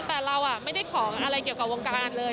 แต่เราไม่ได้ขออะไรเกี่ยวกับวงการเลย